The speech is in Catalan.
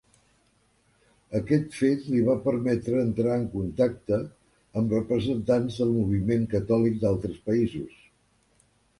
Aquest fet li va permetre entrar en contacte amb representants del moviment catòlic d’altres països.